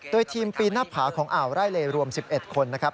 โดยทีมปีนหน้าผาของอ่าวไร่เลรวม๑๑คนนะครับ